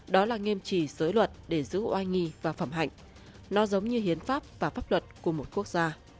đó là nghiêm trì giới luật để giữ oai và phẩm hạnh nó giống như hiến pháp và pháp luật của một quốc gia